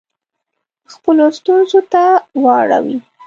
خپلو ستونزو ته واړوي.